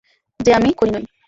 যে আমি খুনি নই।